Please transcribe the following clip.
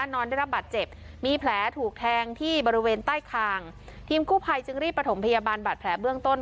นอนได้รับบาดเจ็บมีแผลถูกแทงที่บริเวณใต้คางทีมกู้ภัยจึงรีบประถมพยาบาลบาดแผลเบื้องต้น